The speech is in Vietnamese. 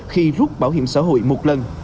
khi rút bảo hiểm xã hội một lần